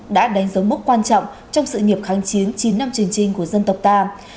đã đánh dấu mức quan trọng trong sự nghiệp kháng chiến chín năm truyền trình của dân tộc ta